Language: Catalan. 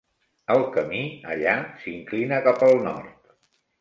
El camí, allà, s'inclina cap al nord.